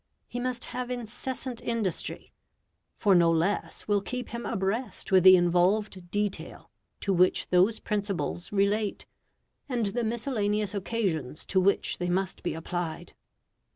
He must have incessant industry, for no less will keep him abreast with the involved detail to which those principles relate, and the miscellaneous occasions to which they must be applied.